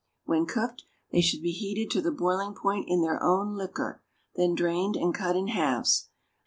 When cooked, they should be heated to the boiling point in their own liquor, then drained and cut in halves.